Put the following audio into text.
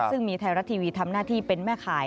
ซึ่งมีไทยรัฐทีวีทำหน้าที่เป็นแม่ขาย